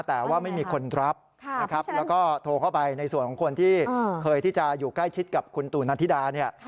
แต่ว่าไม่มีคนรับนะครับแล้วก็โทรเข้าไปในส่วนของคนที่เคยที่จะอยู่ใกล้ชิดกับคุณตู่นันธิดาเนี่ย